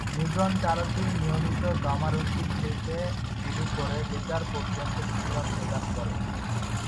Neutron তারাটি নিয়মিত gamma রশ্মি থেকে শুরু করে বেতার পর্যন্ত বিকিরণ প্রদান করে।